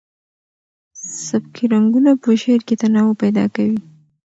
سبکي رنګونه په شعر کې تنوع پیدا کوي.